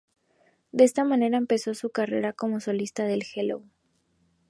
De esta manera empezó su carrera como solista del Hello!